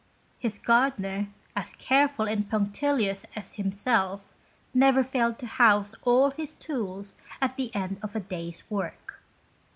His gardener, as careful and punctilious as himself, never failed to house all his tools at the end of a day's work.